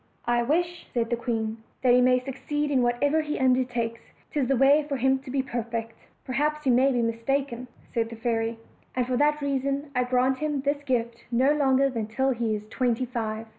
"I wish," said the queen, "that he may succeed in whatever he undertakes 'tis the way for him to be per fect." "Perhaps you may be mistaken," said the fairy, "and for that reason I grant him this gift no longer than till he is twenty five."